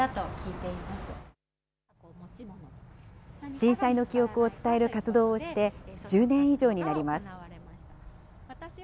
震災の記憶を伝える活動をして、１０年以上になります。